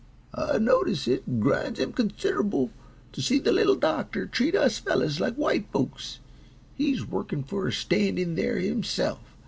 "I notice it grinds him consider'ble to see the Little Doctor treat us fellows like white folks. He's workin' for a stand in there himself.